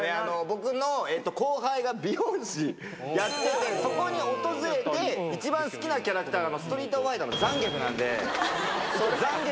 僕の後輩が美容師やってて、そこに訪れて、一番好きなキャラクターがストリートファイターのザンギエフなんで。